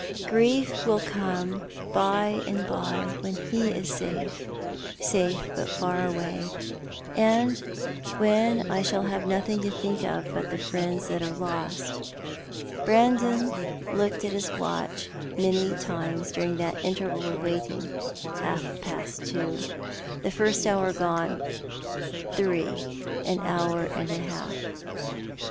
Grief will come by and by when he is safe — safe, but far away — and when I shall have nothing to think of but the friends that are lost." Brandon looked at his watch many times during that interval of waiting. Half past two — the first hour gone — three, an hour and a half.